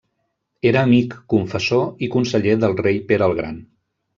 Era amic, confessor i conseller del rei Pere el Gran.